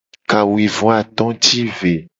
Kawuivoato ti ve.